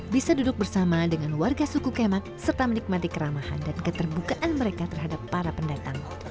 bisa duduk bersama dengan warga suku kemak serta menikmati keramahan dan keterbukaan mereka terhadap para pendatang